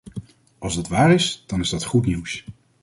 Als dat waar is, dan is dat goed nieuws.